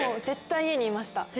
絶対家にいました。